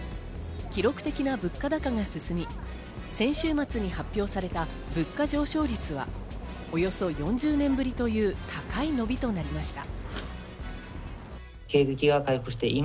記録的な物価高が進み、先週末に発表された物価上昇率はおよそ４０年ぶりという高い伸びとなりました。